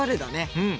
うん。